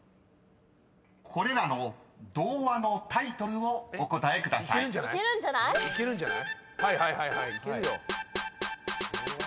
［これらの童話のタイトルをお答えください］いけるんじゃない⁉いけるんじゃない？